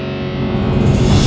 mada terlalu panjang ni